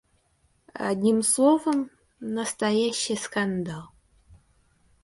Одним словом, настоящий скандал.